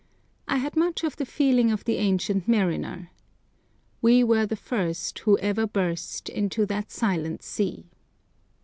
I had much of the feeling of the ancient mariner— "We were the first Who ever burst Into that silent sea."